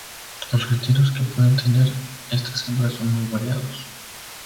Los criterios que pueden tener estas hembras son muy variados.